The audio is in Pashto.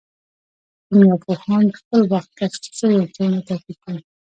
کيميا پوهانو د خپل وخت کشف سوي عنصرونه ترتيب کړل.